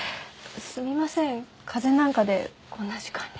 すみません風邪なんかでこんな時間に。